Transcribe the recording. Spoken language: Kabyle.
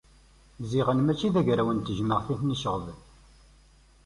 Ziɣen mačči d agraw n tejmeɛt i ten-iceɣben.